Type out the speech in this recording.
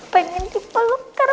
pengen juga lukar